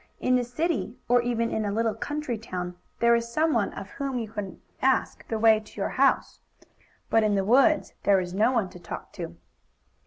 In the city, or even in a little country town, there is someone of whom you can ask the way to your house. But in the woods there is no one to talk to.